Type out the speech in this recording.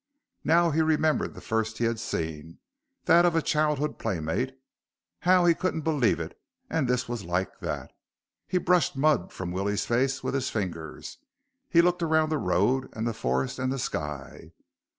Now he remembered the first he had seen, that of a childhood playmate, how he couldn't believe it, and this was like that. He brushed mud from Willie's face with his fingers; he looked around at the road and the forest and the sky.